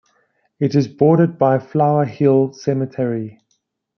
It is bordered by Flower Hill Cemetery.